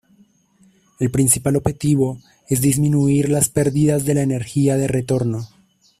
El principal objetivo es disminuir las perdidas de la energía de retorno.